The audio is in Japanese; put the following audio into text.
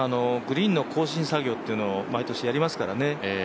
グリーンの更新作業というのを毎年やりますからね。